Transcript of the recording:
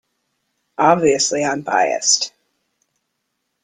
Obviously I’m biased.